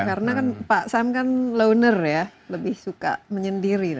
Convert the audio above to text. karena kan pak sam kan lowner ya lebih suka menyendiri